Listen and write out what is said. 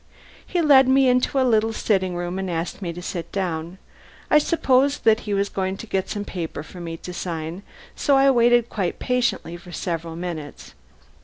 He led me into a little sitting room and asked me to sit down. I supposed that he was going to get some paper for me to sign, so I waited quite patiently for several minutes.